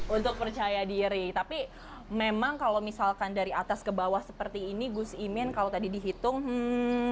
untuk percaya diri tapi memang kalau misalkan dari atas ke bawah seperti ini gus imin kalau tadi dihitung hmm